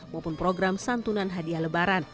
maupun program santunan hadiah lebaran